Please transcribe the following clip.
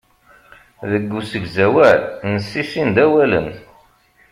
Deg usegzawal, nessissin-d awalen.